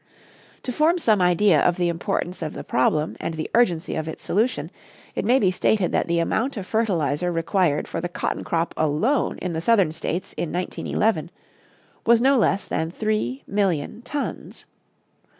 To form some idea of the importance of the problem and the urgency of its solution, it may be stated that the amount of fertilizer required for the cotton crop alone in the Southern States in 1911 was no less than three million tons.